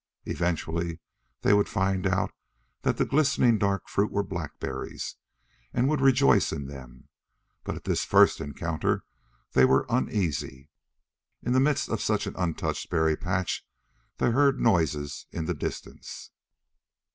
Eventually they would find out that the glistening dark fruit were blackberries, and would rejoice in them, but at this first encounter they were uneasy. In the midst of such an untouched berry patch they heard noises in the distance.